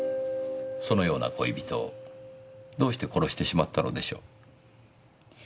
そのような恋人をどうして殺してしまったのでしょう？